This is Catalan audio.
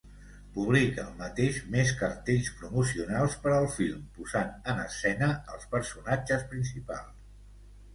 Publica el mateix mes cartells promocionals per al film posant en escena els personatges principals.